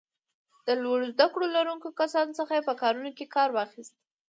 د لوړو زده کړو لرونکو کسانو څخه یې په کارونو کې کار واخیست.